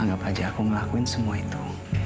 anggap aja aku ngelakuin semua itu